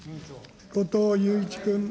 後藤祐一君。